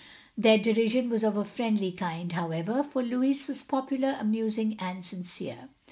Their derision was of a friendly kind, however, for Louis was popular, amusing, and sincere.